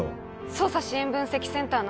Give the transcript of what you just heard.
捜査支援分析センターの